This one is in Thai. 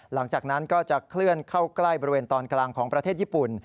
หลังจากนั้นก็จะเคลื่อนเข้าใกล้บริเวณตอนกลางของประเทศญี่ปุ่น